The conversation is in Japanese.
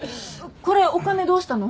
これお金どうしたの？